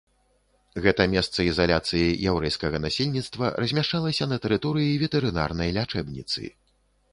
Гэта месца ізаляцыі яўрэйскага насельніцтва размяшчалася на тэрыторыі ветэрынарнай лячэбніцы.